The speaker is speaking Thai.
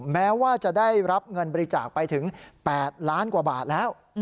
แม้ว่าจะได้รับเงินบริจาคไปถึง๘ล้านกว่าบาทแล้ว